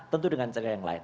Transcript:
tentu dengan cara yang lain